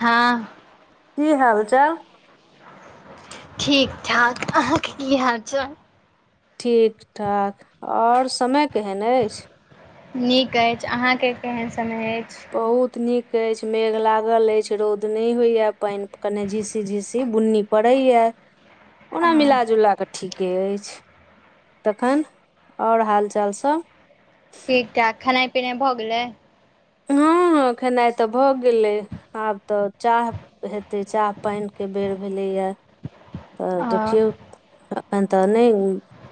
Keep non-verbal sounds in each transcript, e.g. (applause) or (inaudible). हँ हाल चाल? ठीक- ठाक। अहाँके की हाल चाल? ठीक- ठाक। और समय केहेन ऐच्छ। नीक ऐछ। अहाँके केहन समय ऐछ? बहुत नीक ऐछ, मेघ लागल ऐछ, रौद नै होइये, पैन कने झीसी - झिसी बुन्नी परैये। ओना हँ मिला जुला क ठीके ऐछ। तखन और हाल चाल सब? ठीक - ठाक। खेनाय पिनाय भऽ गेलै? ह - ह खेनाइ तऽ भऽ गेलै। आब तऽ चाह हेतै चाह पैन के बेर भेलैइये। तऽ हँ देखियौ अखन तऽ नै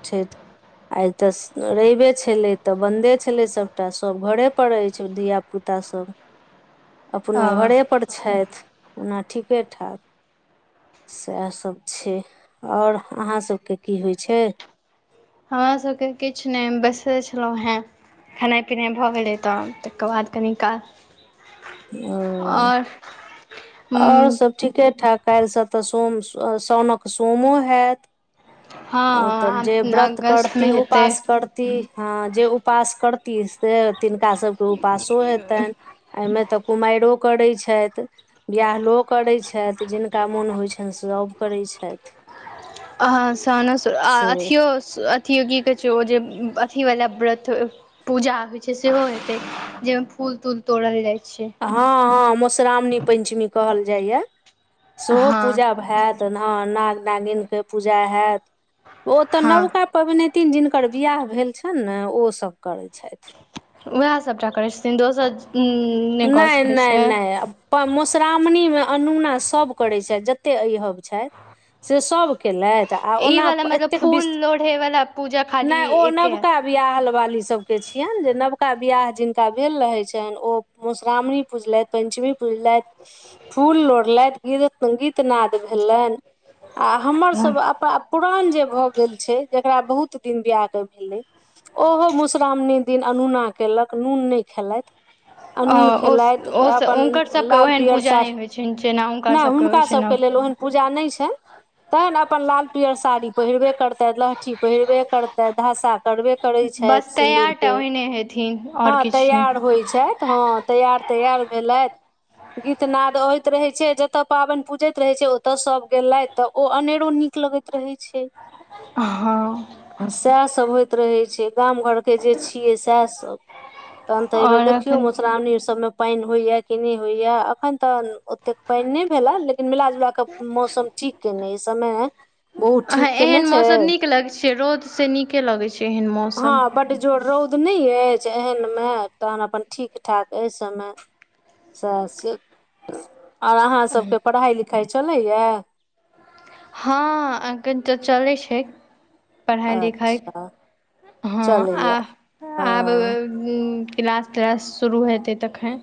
छैथ। आ तऽ रैइबे छेलै तऽ बंन्दे छेलै सभटा, सभ घरे पर ऐछ धिया पुता। पूता सभ। अपनो हँ घरेपर छैथ, ओना ठीके- ठाक सेहसब। छै। और अहाँ सबके की होइ छै? हमरा सबके किछ नै, बैसले छलहुँ हेँ। खेनाइ- पिनाइ भऽ गेलै तऽ तकर बाद कनि काल और और सब ठीके - ठाक। काइल सँ तऽ सोम, सौनक सोमो होैत? ह त हँ जे व्रत करती अगस्तमे हेतै उपास करती ह जे उपास करती से तिनका सभके उपास सुरु हेतैन। एहिमे तऽ कुमैरो करै छैथ। बियाहलो करै छै, जिनका मोन होइ छैन सभ करै छै। अहा सन स आ से अथियो अथियो की कहै छै, ओ जे अथीवला व्रत पूजा होइ छै सेहो हेतै, जैयमे फूल- तूल तोड़ल जाइ छै ह- ह मोश्रामणी पैनचमी कहल जाइये, सेहो हँ पूजा हेत। तहन ह - ह नाग - नागिन के पूजा हेत। ओ तऽ हँ नबका पबनैतिन जिनकर बियाह भेल छैन ने, ओ सब करै छैथ। उएहे सभटा करै छथिन, दोसर उ नै - नै - नै अप मोश्रामणीमे अनूना सब करै छैथ जते ऐहब छै। से सब केलैथ, आ ई ओना वाला मतलब एतेक फूल बिस लोढ़े वाला पूजा खाली नै ओ एके नबका बियाहल वाली सब के छियेन, जे नवका बियाह जिनका भेल रहै छैन, ओ मोश्रामणी पूजलैथ, पेंचमी पूजलैथ। फूल लोढ़लैथ गीत - गीतनाद भेलैन। आ हमर सभ अप पुरान जे भ गेल छैय जेकरा बहुत दिन बियाह क भेलै ओहो मधुश्रामणी दिन अनोना केलक नून नै खेलथि। अनून ओ खेलथि अपन हुनकर सभके लाल ओहन पियर पूजा सा नहि होइ छनि जेना नै सभके होइ हुनका छनि सभके लेल ओहेन पूजा नै छैन। तहैन अपन लाल पियर साड़ी पहिरबे करतैथ लहठी पहिरबे करतैथ धसा करबे करै बस छैथ तैयार सिन्दूरके टा ओहिने हेथिन आओर हँ किछु नहि तैयार होइ छैथ। हँ तैआर तैआर भेलथि। गीतनाद होइत रहै छैय जेतऽ पाबैन पूजैत रहै छैय ओतऽ सब गेलैथ त ओ अनेरो नीक नीक लगैत रहै छैय। हँ। सएहसभ होइत रहै छैय गाम घरके जे छियै सएहसभ। तहन त अय बेर आओर देख एखन मधुश्रामणी सबमे पाइन होइया की नै होइया अखन त ओतेक पाइन नै भेला लेकिन मिलाजुला क मौसम ठीक केने अय समय बहुत ठीक केने छैय लग छैय रौद से नीके लगे छैय एहन मौ हँ बड जोर रौउद नै अइछ एहनमे तहन अपन ठीक ठाक अय समय। सह से आर अहाँ सभके पढ़ाइ लिखाइ चलैये। हँ अखन त चलै छैय। पढ़ाइ लिखाइ अच्छा हँ आ चलैया आब अ हँ हूँ क्लास तिलास शुरू हेतै तखैन।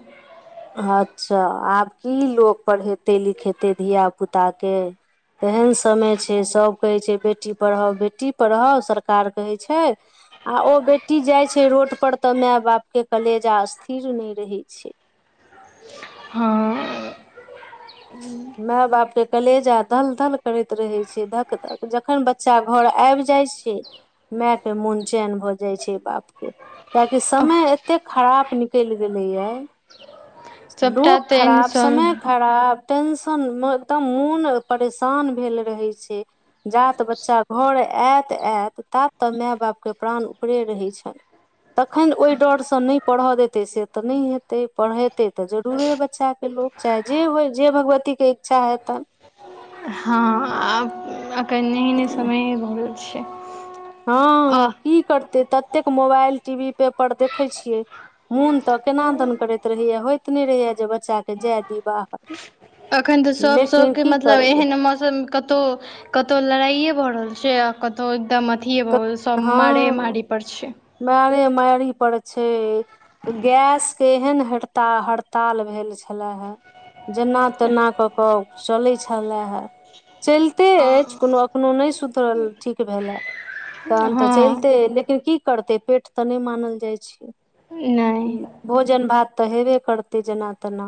अच्छा आब की लोक पढ़ेतै लिखेतै धियापुताके तेहेन समय छैय सभ कहै छैय बेटी पढ़ाओ बेटी पढ़ओ सरकार कहै छैय आ ओ बेटी जाय छैय रोड पर त मैए बाप के कलेजा स्थिर नै रहै छैय। हँ। माय बापके कलेजा दल दल करैत रहै छैय धक धक जखैन तक बच्चा घर एब जाइ छैय मैके मोन चैन भ जाइ छैय बापके। किएकि समय एतेक खराप निकइल गेलैए। सभटा लोक तऽ एहने खराब सभ समय खराब। टेंशन म त मोन परेशान भेल रहै छैय। जात बच्चा घर एत -एत तात त मै बापके प्राण ऊपरे रहै छन। तखन ओय डर स नै पढ़ेतै से त नै हेतै पढ़ेतै त जरूरे बच्चाके लोक। चाहे जे होइ जे भगवतीके इच्छा हेतन। हँ आब अखन एहने समये भ गेल छैय। हँ की करतै ततेक मोबाइल, टी-वी, पेपर देखय छियै मोन त केना दन करैत रहैया होइत नै रहैया जे बच्चाके जै दी बाहर। अखैन त सभ लेकिन सभके की मतलब करबै एहेन मौसम कतऊ कतउ लड़ाइए भ रहल छैय आ कतउ एकदम अथिए भ सब मारे हँ मारी पर छैय। मारे मारी पर छैय। गैसके एहेन हड़ताल'हड़ताल भेल छले है। जेना तेना कऽ कऽ चलै छेलए ह। चइलते अइछ कोनो अखनो नै सुतरल ठीक भेल ए। तहन त हँ चइलतै अय लेकिन की करतै पेट त नै मानल जाइ छैैय। नहि भोजन भात त हेबे करतै जेना तेना।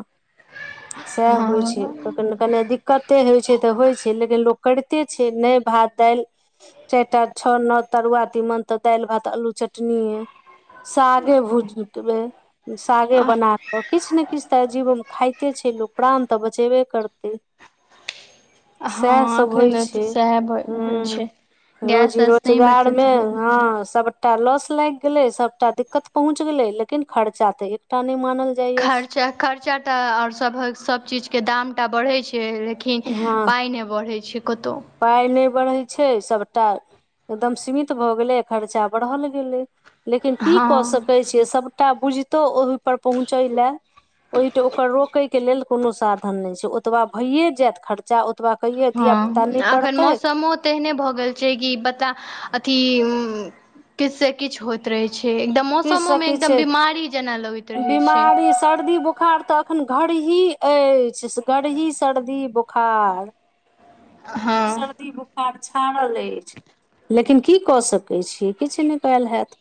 सेह होइ छैय हँ क्क- कने दिक्कते होइ छैय त होइ छैय लेकिन लोक करिते छैय नय भात दाइल चाएटा छ नऽ तरुआ तीमन त दाइल भात अल्लू चटनीेऐ। सागे भुउज उठबे सागे बना कऽ किछ ने किछ तऽ जीवोमे खायइते छै लोक प्राण तऽ बचेबे करतै - - - - सेह हँ सब होइ एखन तऽ छै, सएह भऽ ह रहल छै रोज गैस रोजी तैस नहि भेटतै रोजगारमे तऽ हँ सब सबटा लॉस लाईग गेलै सबटा दिक्कत पहुंच गेलै लेकिन खर्चा तऽ हे त टा नहि मानल जाइया खर्चा - खर्चा तऽ आओर सभ सब चीजके दाम टा बड़ेय छै लेकिन लेकिन हँ पाइ नै बड़ैह छै कतउ पाइ नेय बरैहय छै सभटा एकदम सीमित भऽ गेलै खर्चा बढ़ल गेलै लेकिन की कऽ सक हँ कहै छियै सभटा बुझितौ ओहिपर पहुँचै लेए ओहिठ उपर रोके के लेल कोनो साधन नय छै ओतबा भये जेएत ख्र खर्चा ओतबा कएयै दिआ हँ एखन मौसमो तेहने भएगेल छै कि बता अथी उ - - किछ से किछु होइत रहे छै छै एकदम मौसमो किछुसँ मे एकदम किछु बीमारी जेना लगईत रहय छै बिमारी सर्दी बोखार तऽ एखन घरही अईछ घरही सर्दी बोखार - हँ - - - सर्दि बोखा बोखार छाड़ल अइछ लेकिन की कऽ सकैत छिय किछ नय केएल हैत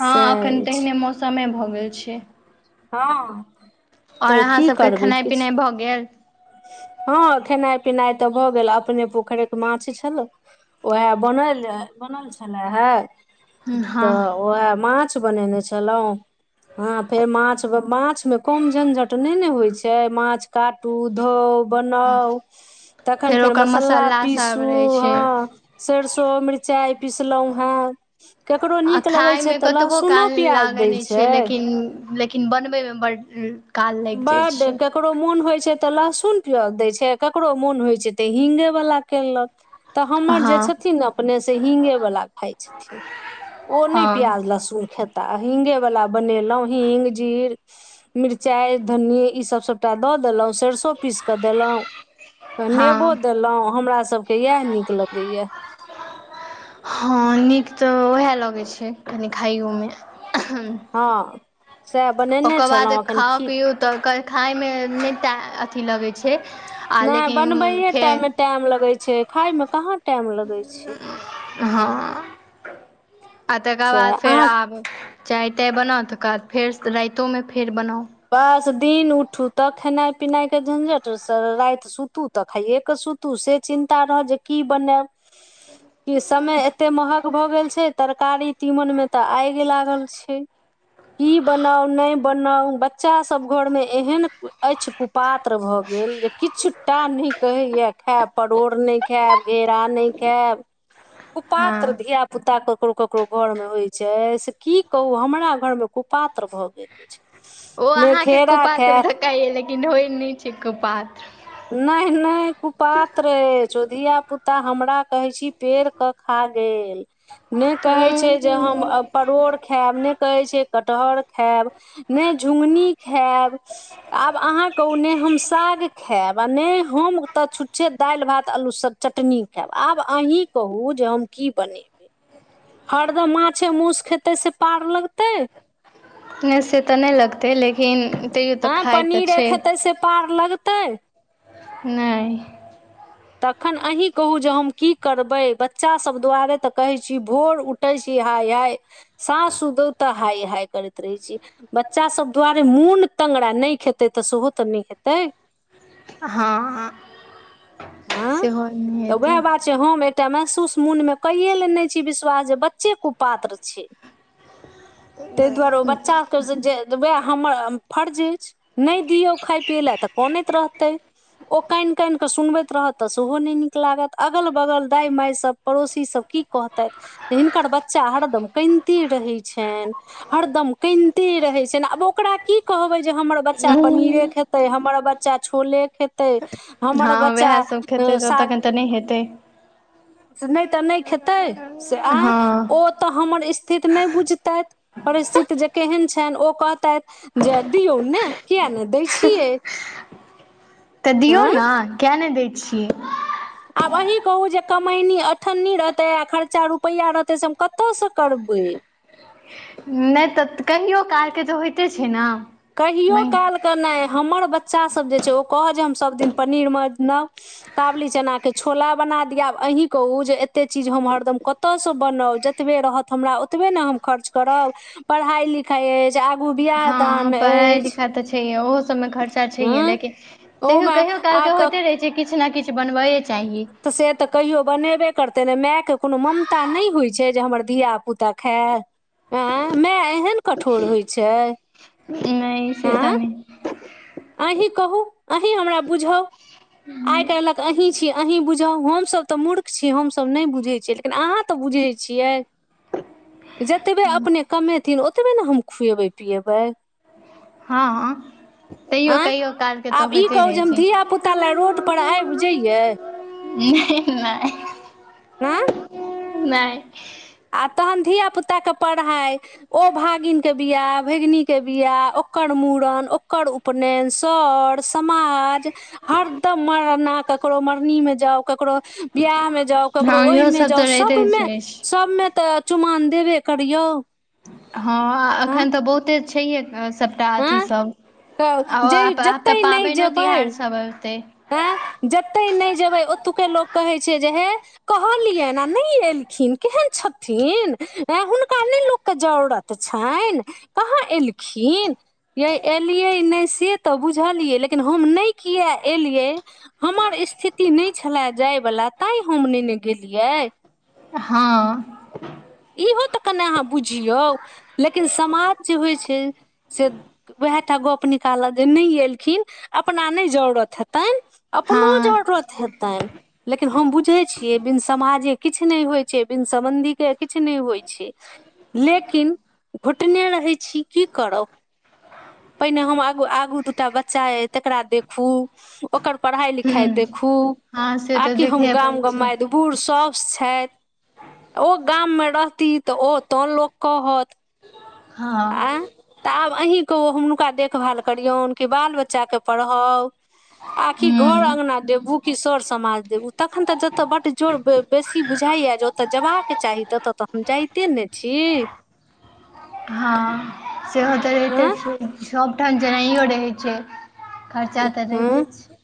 हँ एखन सएह अछि तहिने मौसमे भऽ गेल छै हँ आओर तऽ की अहाँसभके करबै खेनाइ किछु पिनाइ भऽ गेल हँ खेनाइ पिनाइ तऽ भऽ गेल अपने पोखरिके माछ छलौ उएह बनल बनल छले हे हँ तऽ उएह माछ माछ बनेने छलहुँं ह फेर माछ माछ में कम झंझट नहि ने होइ छै माछ काटू धोउ बनाउ तखन फेर ओकर मसालला मसाला सभ पीसू रहै छै हँ सरसो मिरचाइ पीसलहुं हें आ खाायमे कतबो काल प्याज लागै दै नहि छै लेकिन लेकिन बनबैमे बड्ड काल लागि जाइ बड्ड क छै ककरो मोन होइ छै तऽ लहसुन पयाज दै छै ककरो मोन होइ छै तऽ हिंगे वाला केलक तऽ हमर जे हँ छथिन अपने से ही्गेवला खाई छथिन ओ नहि प्याज हँ लहसुन खेताह हींगेवला बनेलहुँ हींग जीर मिरचाय धनी ई सब सबटा दऽ देलहुं सेरसों पीस कऽ देलहुं हँ नेबो देलहुॅं हमरा सबके इएह नीक लगैया हँ नीक तऽ उएह लगैत छै कनि खाइयोमे हँ सएह बनेने ओकर बाद छलहुँ एखन खाउ खी पियू तऽ खायमे नहि टा अथि लगैत छै आ नहि लेकिन बनबैए फेर टाइमे टाइम लगैत छै खायमे कहाँ टाइम लगैत छै हँ आ तकर से बाद फेर अहाँ आब चाय ताय बनाउ तकर बाद फेर राइतोमे फेर बनाउ बस दिन उठू तऽ खेनाइ पिनाइके झंझटसँ राति सुतू त खाइए के सुूतू से चिन्ता रह जे की बनाब क समय एते महग भए गेल छै तरकारी तीमन में तऽ आगि लागल छै की बनाउ नहि बनाउ बच्चासभ घरमे एहन अछि कुपात्र भऽ गेल जे किछुटा नहि कहैए खायब परोड़ नहि खायब घेरा नहि खायब कुपात्र हँ धिया पुता ककरो ककरो घरमे होइ छै से की कहू हमरा घरमे कुपात्र भऽ गेल अछि। ओ ने अहाँके घेरा कुपात्र खायत धकाये लेकिन होइ नै छै कुपात्र। नहि नहि कुपात्र अछि ओ धियापुता हमरा कहै छी पेड़क खा गेल नहि कहै छै जे हम अ ह परोड़ खायब नहि कहै छै कटहर खायब। नहि झुङ्गनी खायब आब अहाँ कहू नै हम साग खायब आ नहि हम तऽ छुच्छे दालि भात आल्लूसँ चटनी खायब आब अहीँ कहू जे हम की बनेब हरदम माछे मूस खेतै से पार लगतै। नहि से तऽ नहि लगतै लेकिन तैयो तऽ आँ खाइ तऽ पनीरे छै खेतै से पार लगतै। नहि। तखन अही कहू जे हम की करबै बच्चा सब दुआरे तऽ कहै छी भोर उ टै छी हाय-हाय सांस सुतु तऽ हाय-हाय करैत रहै छी। बच्चा सभ दुआरे मून तंगरा नहि खेतै त सेहो तऽ नहि हेतै। हँ। हाँ सेहो नहि तऽ हेतै वएह बात छै हम एकटा महसूस मुन मे कैेय लेने छी विश्वास जे बच्चे कु पात्र छै। तै दुआरो ओ बच्चा जे त वएह हमर फर्ज अछि नहि दियौ खाय पियै लए तऽ कनैत रहतै। ओ काइन काइन कऽ सुनबै रहत तऽ सेहो नहि नीक लागत अगल बगल दाइ मायसभ पड़ोसीसभ की कहतेथ। हिनकर बच्चा हरदम कनिते रहै छेएन। हरदम कनिते रहै छनि आब ओकरा की कहबै जे हमर बच्चा पनीरे खेतै हमर बच्चा छोले खेतै हमर ब वएह सब खेतै त तखन तऽ नहि हेतै। नहि तऽ नहि खेतै से आँय हँ ओ तऽ हमर स्थिति नहि बुझतैत। परिस्थित जे केहन छनि ओ कहतेथ। जे दियऔ ने किया नहि दै छियै। तऽ दियौ आँय ने किया नहि दै छियै। आब अही कहू जे कमनी अठन्नी रहतै आ खर्चा रुपैआ रहतै से हम कतऽ सँ करबै। नहि तऽ कहियो कालके तऽ होइते छै ने। कहियो महि काल कऽ नहि हमर बच्चासभ जे छै ओ कहय जे हम सभदिन पनीर म बनाउ। काबली चनाके छोला बना दिया अहीँ कहू जे एतेक चीज हम हरदम क ओतऽसँ बनाउ जतबे रहत हमरा ओतबे ने हम खर्च करब। पढ़ाई-लिखाई अछि आगू बिआह दान। हम पढ़ाई अछि -लिखाइ तऽ छैये ओहो सब मे खर्चा त छैहे हँ लेकिन तहियो ओहोमे कहियो काल आ कऽ होइते रहै छै किछ ने किछ बनबैए चाही। तऽ से तऽ कहियो बनेबे करतै नहि मायके कोनो ममता नहि होइ छै जे हमर धियापुता खायए। आ माय एहन कठोर होइ छै नहि से तऽ आँ नहि अहि कहू अही हमरा बुझाउ आय काइलक अहि छी अहीं बुझाउ हम सब तऽ मूर्ख छीय हम सब नहि बुझै छियै। लेकिन अहाँ तऽ बुझै छियै जतबे अपने कमेथिन ओतबे ने हम खिएबै पियबै। हँ तइओ आँय कहिओ कालके तऽ आब ई होइते कहू रहै जे हम छै। धिया पुता लए रोड पर आबि जइयै ह नहि हँ नय आ तहन धियापुताके पढ़ाइ ओ भागिनके बियाह भगिनीके बियाह ओकर मूड़न ओकर उने सर समाज हरदम मरना ककरो मरनी मे जाउ ककरो बिियाह मे जाउ हँ ककरो इहो ओहिमे सब जाउ तऽ रहिते सबमे छै सबमे तऽ चुमाओन देबे करियौ हँ एखन तऽ बहुत अच्छा ह सब (unintelligible) सभटा अथी सब तऽ आ जे आब तऽ पाबनि तिहार सब ओतै आँ जतहि नहि जेबै ओतुक्का लोक कहै छै जे हे। कहलियनि आ नहि एलखिन केहन छथिन हुनका नहि लोकके जरूरत तऽ छनि कहाँ एलखिन यै एलियै नहि से तऽ बुझलियै लेकिन हम नहि किए एलियै हमर स्थिति नहि छले जाय वाला ताहि हम नेने गेलियै हँ। इहो तऽ कने अहाँ बुझियौ लेकिन समाज जे होइ छै से उएह टा गप्प निकालत जे नहि एलखिन अपना नहि जरूरत हेतनि हँ अपनो जरुरत हेतनि लेकिन हम बुझे छीयै बिन समाजे किछ न नहि होय छै बिन सम्बंधी के किछु नहि होइ छै लेकिन घुटने रहै छी की करब पहिने हम आगू आगू दूटा बच्चा अ तकरा देखू ओकर पढ़ाई लिखाई हुँ देखू हँ से तऽ आकि हम देखहे पड़ै गाम ग छै बूढ़ स छथि ओ गाममे रहती तऽ ओ तो लोक कहत हँ आ तऽ आब अहीँ कहु ओ हुनका देखभाल करियौन कि बाल बच्चाकेँ पढ़ाउ आखि घर हुँ अंगना देबू की सर समाज देबू तखन तऽ जतऽ बड जोर बेसी बुझाइए जे ओतय जेबाक चाही तऽ तऽ हम जाइते ने छी हँ सेहो तऽ रहिते हँ छै सभ ठाम जेनाइओ रहै छै। खर्चा तऽ हँ रहिते छै।